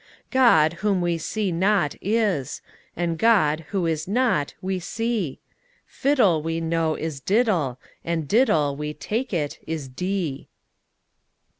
God, whom we see not, is: and God, who is not, we see: Fiddle, we know, is diddle: and diddle, we take it, is dee.